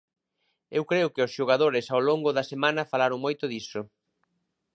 Eu creo que os xogadores ao longo da semana falaron moito diso.